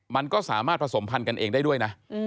มันก็สามารถผสมพันธุ์กันเองได้ด้วยนะ